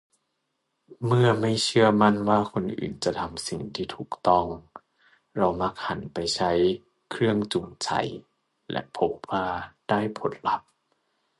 เมื่อไม่เชื่อมั่นว่าคนอื่นจะทำสิ่งที่ถูกต้อง เรามักหันไปใช้ 'เครื่องจูงใจ' และพบว่าได้ผลลัพธ์